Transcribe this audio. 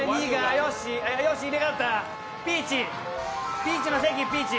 ピーチの関、ピーチ。